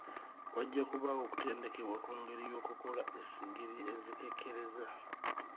Wajja kubaawo okutendekebwa ku ngeri y'okukola essigiri ezikekkereza.